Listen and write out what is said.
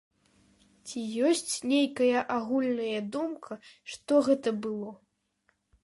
Ці ёсць нейкая агульная думка, што гэта было?